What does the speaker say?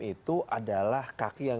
itu adalah kaki yang